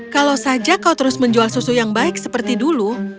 kalau saja kau terus menjual susu yang baik seperti dulu